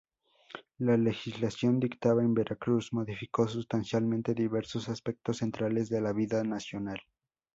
La legislación dictada en Veracruz modificó sustancialmente diversos aspectos centrales de la vida nacional.